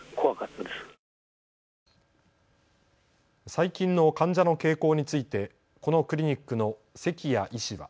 最近の患者の傾向についてこのクリニックの関谷医師は。